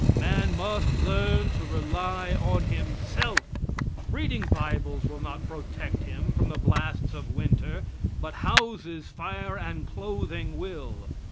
Man must learn to rely on himself. Reading bibles will not protect him from the blasts of winter, but houses, fire and clothing will.